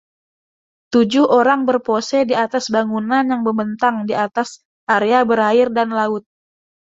Tujuh orang berpose di atas bangunan yang membentang di atas area berair dan laut.